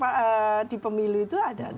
pemenang di pemilu itu adalah pendukungnya